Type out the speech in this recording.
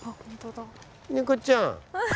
猫ちゃん！